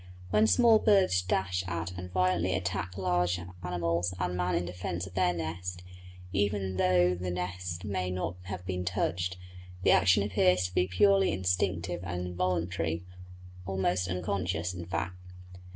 When small birds dash at and violently attack large animals and man in defence of their nest, even though the nest may not have been touched, the action appears to be purely instinctive and involuntary, almost unconscious, in fact.